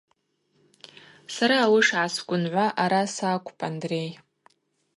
Чара ауи шгӏасгвынгӏвуа араса акӏвпӏ, Андрей.